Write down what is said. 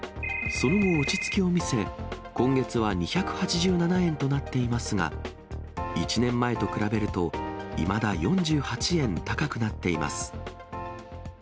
その後落ち着きを見せ、今月は２８７円となっていますが、１年前と比べると、いまだ４８円高くなっています。